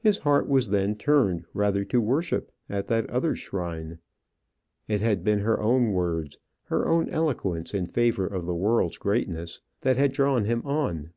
His heart was then turned rather to worship at that other shrine: it had been her own words, her own eloquence in favour of the world's greatness, that had drawn him on.